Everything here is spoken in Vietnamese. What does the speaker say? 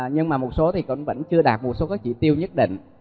nhưng mà một số thì vẫn chưa đạt một số các chỉ tiêu nhất định